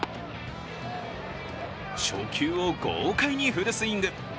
初球を豪快にフルスイング。